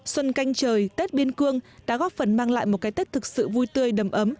xuân canh trời tết biên cương đã góp phần mang lại một cái tết thực sự vui tươi đầm ấm